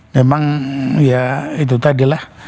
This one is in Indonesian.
memang ya itu tadilah